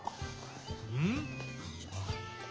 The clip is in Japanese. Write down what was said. うん？